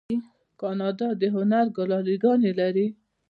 کاناډا د هنر ګالري ګانې لري.